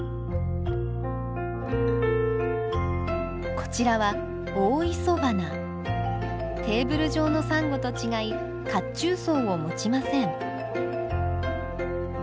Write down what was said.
こちらはテーブル状のサンゴと違い褐虫藻を持ちません。